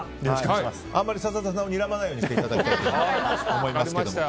あんまり笹田さんをにらまないようにしていただきたいと思いますけれども。